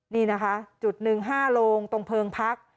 นี่นะคะจุด๑๕โรงตรงเพิงพัก